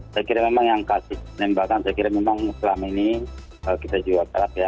saya kira memang yang kasus penembakan saya kira memang selama ini kita juga telak ya